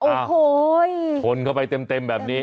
โอ้โหชนเข้าไปเต็มแบบนี้